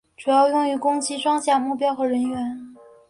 主要用于攻击装甲目标和人员。